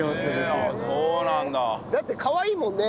だってかわいいもんね。